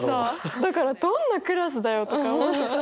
だからどんなクラスだよとか思って。